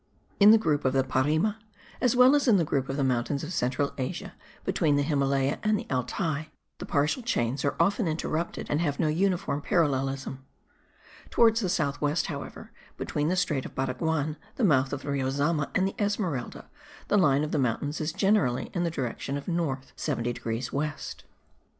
In the group of the Parime, as well as in the group of the mountains of central Asia, between the Himalaya and the Altai, the partial chains are often interrupted and have no uniform parallelism. Towards the south west, however (between the strait of Baraguan, the mouth of the Rio Zama and the Esmeralda), the line of the mountains is generally in the direction of north 70 degrees west.